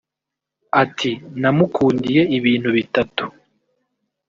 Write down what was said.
Ati “Namukundiye ibintu bitatu